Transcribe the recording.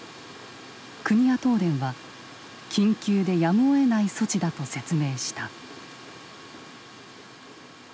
国や東電は緊急でやむをえない措置だと説明した。